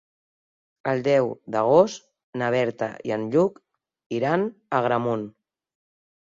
El deu d'agost na Berta i en Lluc iran a Agramunt.